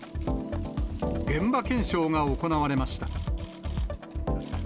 現場検証が行われました。